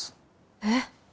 えっ。